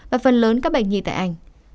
và phần lớn các bệnh nhi tại anh